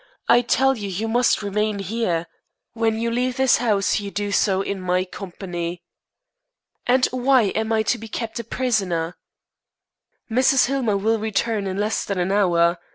I tell you you must remain here. When you leave this house you do so in my company." "And why am I to be kept a prisoner?" "Mrs. Hillmer will return in less than an hour.